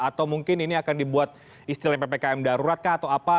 atau mungkin ini akan dibuat istilah ppkm darurat kah atau apa